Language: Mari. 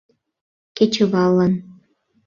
Кечываллан...